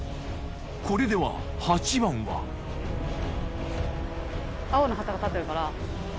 これでは８番は青の旗が立ってるから。